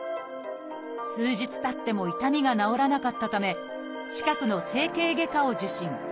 数日たっても痛みが治らなかったため近くの整形外科を受診。